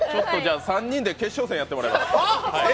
３人で決勝戦やってもらいます。